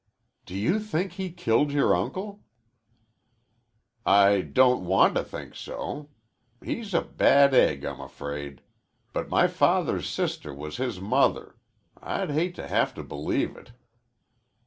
"Do you think he killed your uncle?" "I don't want to think so. He's a bad egg, I'm afraid. But my father's sister was his mother. I'd hate to have to believe it."